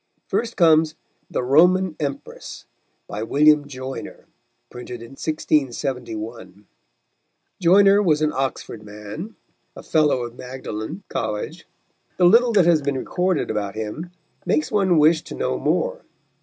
First comes The Roman Empress, by William Joyner, printed in 1671. Joyner was an Oxford man, a fellow of Magdalen College. The little that has been recorded about him makes one wish to know more.